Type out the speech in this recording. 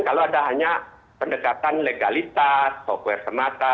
kalau ada hanya pendekatan legalitas software semata